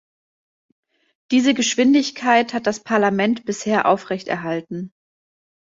Diese Geschwindigkeit hat das Parlament bisher aufrechterhalten.